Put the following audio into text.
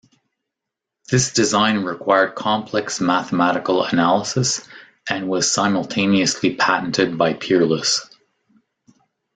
This design required complex mathematical analysis, and was simultaneously patented by Peerless.